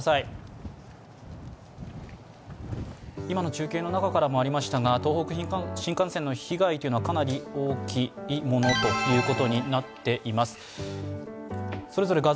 今の中継の中からもありましたが、東北新幹線の被害はかなり大きいものということになっています。